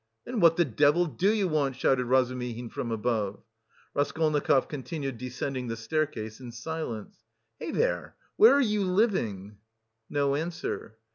"Then what the devil do you want?" shouted Razumihin from above. Raskolnikov continued descending the staircase in silence. "Hey, there! Where are you living?" No answer.